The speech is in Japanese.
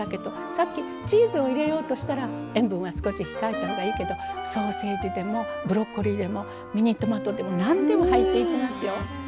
さっきチーズを入れようとしたら塩分は少し控えた方がいいけどソーセージでもブロッコリーでもミニトマトでも何でも入っていきますよ。